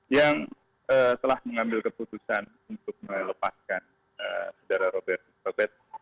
yang telah mengambil keputusan untuk melepaskan sudara robertus robert